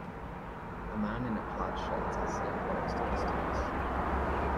A man in a plaid shirt is selling products to customers.